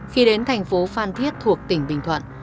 khi đến thành phố phan thiết thuộc tỉnh bình thuận